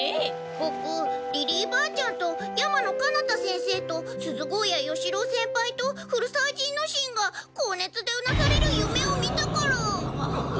ボクリリーばあちゃんと山野金太先生と錫高野与四郎先輩と古沢仁之進が高熱でうなされる夢を見たから。